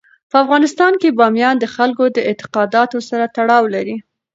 په افغانستان کې بامیان د خلکو د اعتقاداتو سره تړاو لري.